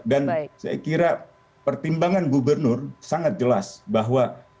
dan saya kira pertimbangan gubernur sangat jelas bahwa